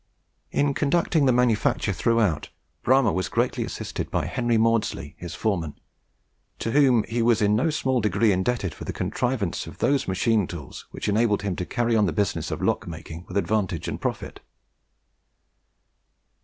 In conducting the manufacture throughout, Bramah was greatly assisted by Henry Maudslay, his foreman, to whom he was in no small degree indebted for the contrivance of those tool machines which enabled him to carry on the business of lock making with advantage and profit.